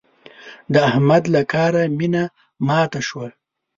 د احمد له کاره مينه ماته شوه.